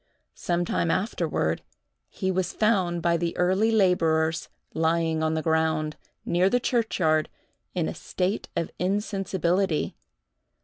Sometime afterward, he was found by the early laborers lying on the ground, near the churchyard, in a state of insensibility.